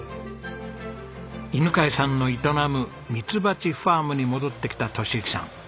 犬飼さんの営む「みつばちファーム」に戻ってきた敏之さん。